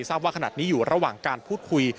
ทราบว่าขณะนี้อยู่ระหว่างการพูดคุย